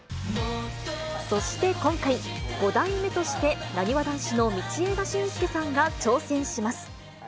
そして今回、５代目としてなにわ男子の道枝駿佑さんが挑戦します。